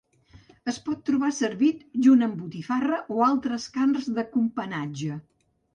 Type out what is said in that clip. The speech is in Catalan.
Es pot trobar servit junt amb botifarra o d'altres carns de companatge.